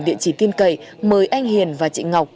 địa chỉ tin cậy mời anh hiền và chị ngọc